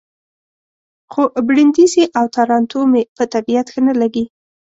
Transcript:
خو برېنډېسي او تارانتو مې په طبیعت ښه نه لګي.